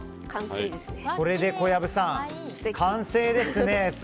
これで小籔さん、完成ですね。